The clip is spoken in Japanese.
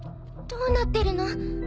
どうなってるの？